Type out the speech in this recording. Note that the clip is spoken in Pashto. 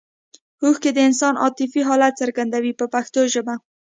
اوښکې د انسان عاطفي حالت څرګندوي په پښتو ژبه.